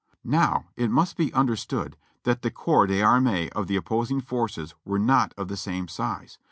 Now it must be understood that the corps d'armee of the opposing forces were not of the same size.